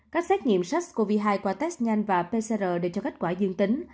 các xét nghiệm sars cov hai qua test nhanh và pcr đều cho kết quả dương tính